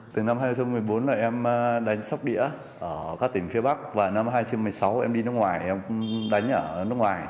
từ năm hai nghìn một mươi bốn là em đánh sóc đĩa ở các tỉnh phía bắc và năm hai nghìn một mươi sáu em đi nước ngoài em đánh ở nước ngoài